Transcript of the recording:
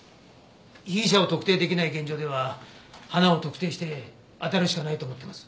被疑者を特定出来ない現状では花を特定して当たるしかないと思ってます。